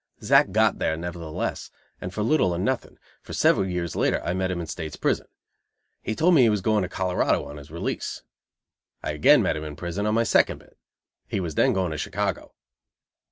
Zack "got there," nevertheless, and for little or nothing, for several years later I met him in State's prison. He told me he was going to Colorado on his release. I again met him in prison on my second bit. He was then going to Chicago.